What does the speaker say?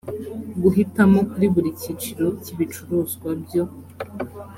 guhitamo kuri buri cyiciro cy ibicuruzwa byo